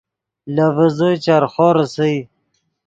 لے ڤیزے چرخو ریسئے